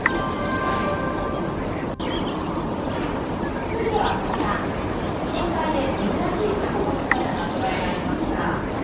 続いてはこちら、深海で珍しいタコの姿が捉えられました。